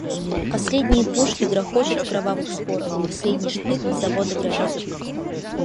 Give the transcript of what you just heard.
Последние пушки грохочут в кровавых спорах, последний штык заводы гранят.